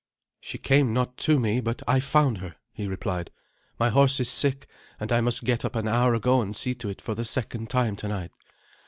"She came not to me, but I found her," he replied. "My horse is sick, and I must get up an hour ago and see to it for the second time tonight.